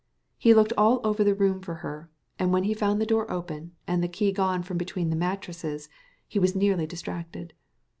He looked all over the room for her, and when he found the door open, and the key gone from between the mattresses, he was nearly distracted.